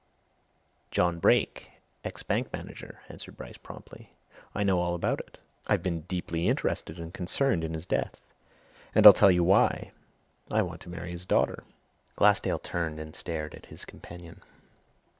"John Brake, ex bank manager," answered Bryce promptly. "I know all about it. I've been deeply interested and concerned in his death. And I'll tell you why. I want to marry his daughter." Glassdale turned and stared at his companion.